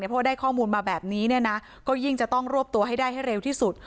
เพราะได้ข้อมูลมาแบบนี้ก็ยิ่งจะต้องรวบตัวให้ได้ให้เร็วที่สุด